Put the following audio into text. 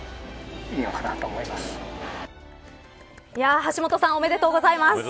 橋本さんおめでとうございます。